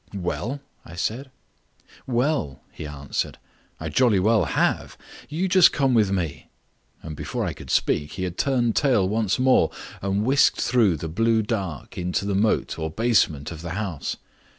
"Well?" I said. "Well," he answered, "I jolly well have. You just come with me," and before I could speak he had turned tail once more and whisked through the blue dark into the moat or basement of the house.